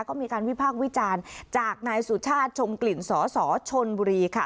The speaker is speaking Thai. ก็มีการวิพากษ์วิจารณ์จากนายสุชาติชมกลิ่นสสชนบุรีค่ะ